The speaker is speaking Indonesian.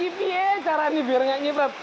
kipi ya cara ini biar enggak ngiprat